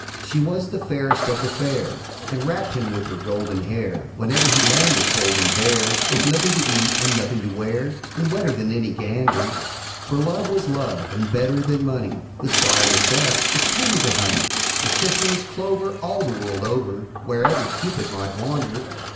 She was the fairest of the fair, And wrapt him round with her golden hair, Whenever he landed cold and bare, With nothing to eat and nothing to wear, And wetter than any gander; For Love was Love, and better than money; The slyer the theft, the sweeter the honey; And kissing was clover, all the world over, Wherever Cupid might wander.